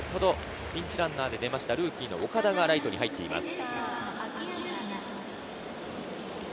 ピンチランナーで出たルーキー・岡田がライトに入っています。